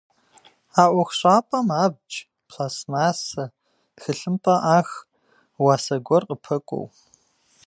А ӏуэхущӏапӏэм абдж, пластмассэ, тхылъымпӏэ ӏах, уасэ гуэр къыпэкӏуэу.